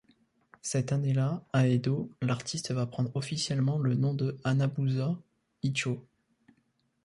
Cette année-là, à Edo, l'artiste va prendre officiellement le nom de Hanabusa Itcho.